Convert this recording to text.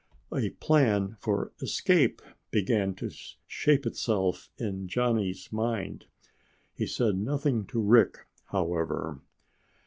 A plan for escape began to shape itself in Johnny's mind. He said nothing to Rick, however.